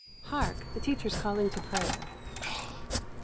Hark! the teacher is calling to prayer."